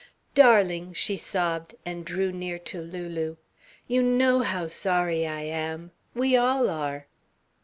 Darling!" she sobbed, and drew near to Lulu. "You know how sorry I am we all are...."